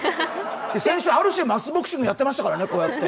先週、ある種、マスボクシングをやってましたからね。